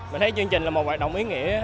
mình thấy chương trình là một hoạt động ý nghĩa